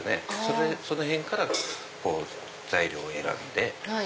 その辺から材料を選んで。